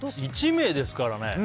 １名ですからね。